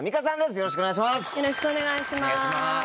よろしくお願いします。